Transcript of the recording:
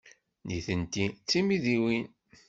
Nitenti d timidiwin?